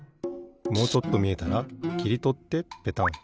もうちょっとみえたらきりとってペタン。